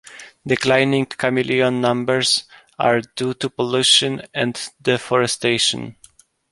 Declining chameleon numbers are due to pollution and deforestation.